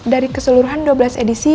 dari keseluruhan dua belas edisi